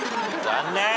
残念。